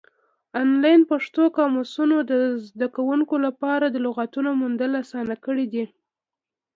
آنلاین پښتو قاموسونه د زده کوونکو لپاره د لغاتو موندل اسانه کړي دي.